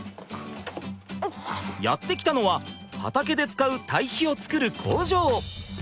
やって来たのは畑で使う堆肥をつくる工場。